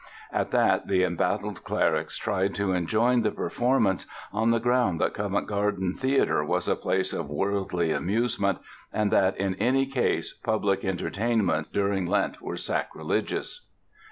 At that, the embattled clerics tried to enjoin the performance "on the ground that Covent Garden Theatre was a place of worldly amusement and that in any case public entertainments during Lent were sacrilegious."